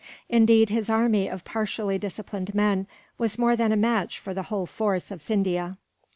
Indeed, his army of partially disciplined men was more than a match for the whole force of Scindia.